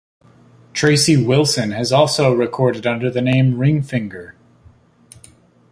Tracy Wilson has also recorded under the name Ringfinger.